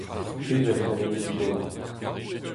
Skrivet gant Emil Zola.